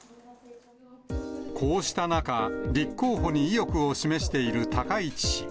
こうした中、立候補に意欲を示している高市氏。